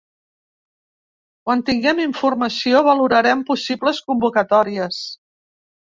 Quan tinguem informació, valorarem possibles convocatòries.